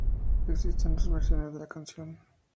Existe dos versiones de la canción.